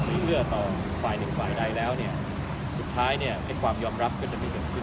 เมื่อต่อฝ่ายหนึ่งฝ่ายใดแล้วเนี่ยสุดท้ายเนี่ยไอ้ความยอมรับก็จะมีเกิดขึ้น